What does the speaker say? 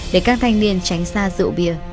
đừng tránh xa rượu bia